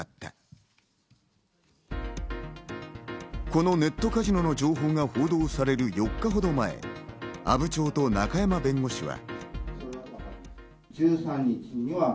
このネットカジノの情報が報道される４日ほど前、阿武町と中山弁護士は。